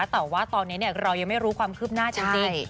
แต่ว่าตอนนี้เรายังไม่รู้ความคืบหน้าจริง